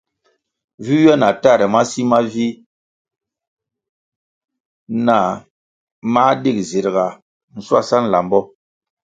Vi ywia na tahre ma si ma vih nah mā dig zirʼga shwasa nlambo.